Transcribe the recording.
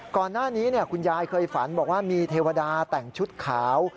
ก่อนหน้านี้คุณยายเคยฝันบอกว่ามีเทวดาแต่งชุดขาว